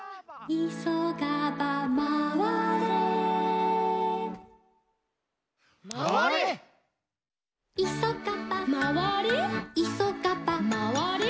「いそがば」「まわれ？」